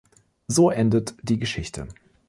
So endet die Geschichte.